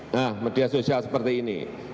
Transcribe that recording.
nah media sosial seperti ini